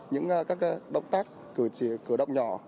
những các động tác cử động nhỏ